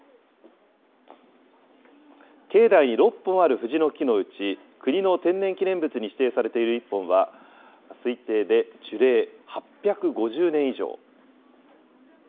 境内に６本ある藤の木のうち、国の天然記念物に指定されている１本は、推定で樹齢８５０年以上。